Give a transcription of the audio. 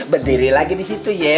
berdiri lagi di situ ya